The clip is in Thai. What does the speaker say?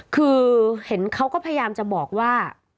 คือเห็นเขาก็พยายามจะบอกว่า